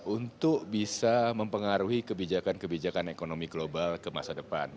untuk bisa mempengaruhi kebijakan kebijakan ekonomi global ke masa depan